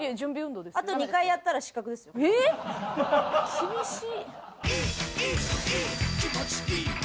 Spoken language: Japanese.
厳しい！